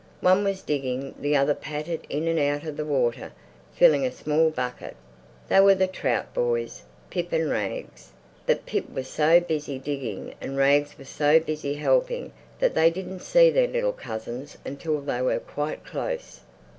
One was digging, the other pattered in and out of the water, filling a small bucket. They were the Trout boys, Pip and Rags. But Pip was so busy digging and Rags was so busy helping that they didn't see their little cousins until they were quite close.